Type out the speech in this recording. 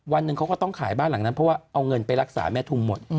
วันหนึ่งเขาก็ต้องขายบ้านหลังนั้นเพราะว่าเอาเงินไปรักษาแม่ทุมหมด